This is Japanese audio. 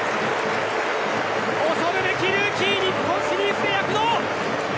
恐るべきルーキー日本シリーズで躍動！